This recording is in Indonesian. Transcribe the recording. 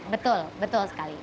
betul betul sekali